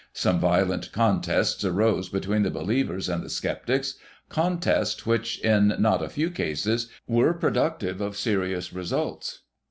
Some violent contests arose between the believers and the sceptics— contests, which in not a few cases, were productive of serious results.